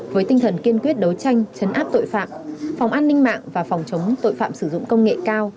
với tinh thần kiên quyết đấu tranh chấn áp tội phạm phòng an ninh mạng và phòng chống tội phạm sử dụng công nghệ cao